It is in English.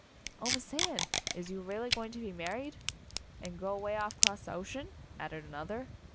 "Oh, Miss Anne, is you really going to be married?" "An' go 'way off 'cross the ocean?" added another.